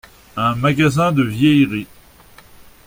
Un magasin de vieilleries.